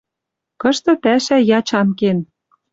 Кышты пӓшӓ ячан кен.